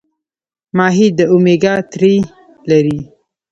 ماهي د اومیګا تري لري